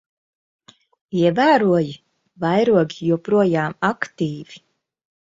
Ievēroji? Vairogi joprojām aktīvi.